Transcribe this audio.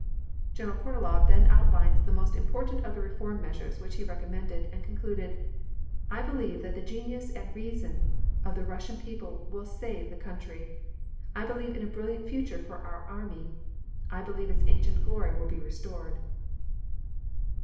General Kornilov then outlined the most important of the reform measures which he recommended, and concluded: "I believe that the genius and the reason of the Russian people will save the country. I believe in a brilliant future for our army. I believe its ancient glory will be restored."